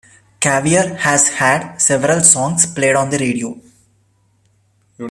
Caviar has had several songs played on the radio.